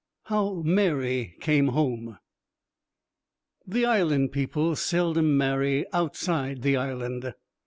V HOW MARY CAME HOME The Island people seldom marry outside the Island.